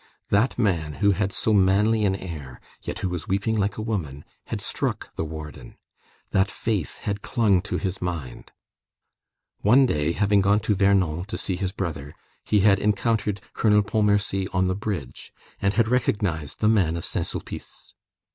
That man, who had so manly an air, yet who was weeping like a woman, had struck the warden. That face had clung to his mind. One day, having gone to Vernon to see his brother, he had encountered Colonel Pontmercy on the bridge, and had recognized the man of Saint Sulpice.